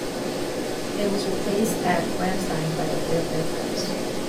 It was replaced at Ramstein by the Third Air Force.